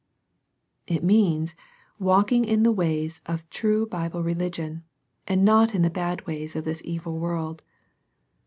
It means walking in the ways of true Bible religion, and not in the bad ways of this evil world.